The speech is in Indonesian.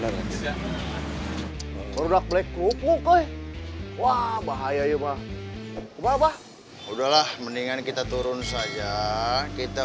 orang kedua di dalam tempat ini untuk ikut pelusa lulusan kita